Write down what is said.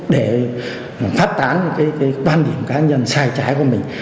để phát tán những cái quan điểm cá nhân sai trái của mình